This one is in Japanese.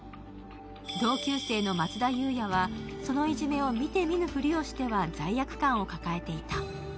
同級生の松田ユウヤはそのいじめを見てみぬふりをしては罪悪感を抱えていた。